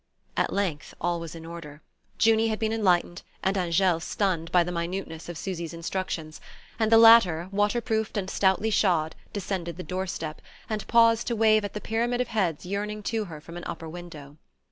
At length all was in order. Junie had been enlightened, and Angele stunned, by the minuteness of Susy's instructions; and the latter, waterproofed and stoutly shod, descended the doorstep, and paused to wave at the pyramid of heads yearning to her from an upper window.